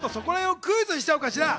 ちょっとそこらへんをクイズにしちゃおうかしら。